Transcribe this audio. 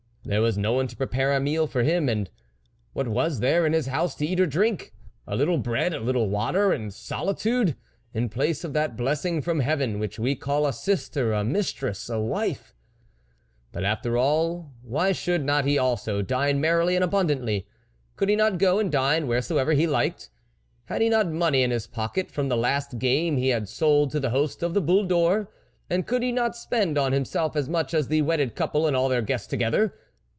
There was no one to prepare a meal for him ; and what was there in his house to eat or drink ? A little bread ! a little water ! and solitude ! in place of that blessing from heaven which we call a sister, a mis tress, a wife. But, after all, why should not he also dine merrily and abundantly ? Could he not go and dine wheresoever he liked ? Had he not money in his pocket from the last game he had sold to the host of the Boule d' Or ? And could he not spend on himself as much as the wedded couple and all their guests together